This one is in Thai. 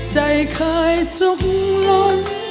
ใจคลายสุกลด